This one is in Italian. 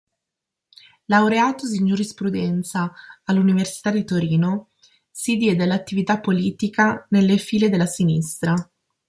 Laureatosi in Giurisprudenza all'Università di Torino, si diede all'attività politica nelle file della Sinistra.